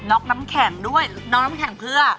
็อกน้ำแข็งด้วยน็อกน้ำแข็งเพื่อ